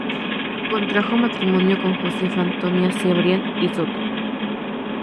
Contrajo matrimonio con Josefa Antonia Cebrián y Soto.